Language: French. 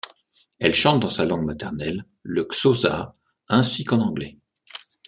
Elle chante dans sa langue maternelle, le xhosa, ainsi qu'en anglais.